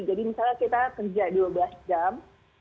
jadi misalnya kita kerja dua belas jam